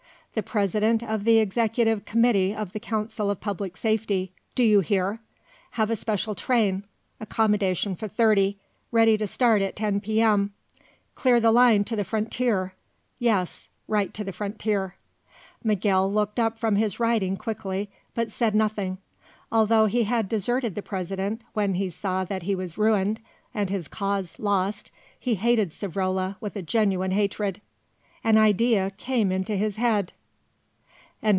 The President of the Executive Committee of the Council of Public Safety do you hear? Have a special train, accommodation for thirty ready to start at ten p.m. Clear the line to the frontier, yes, right to the frontier." Miguel looked up from his writing quickly, but said nothing. Although he had deserted the President when he saw that he was ruined and his cause lost, he hated Savrola with a genuine hatred. An idea came into his head.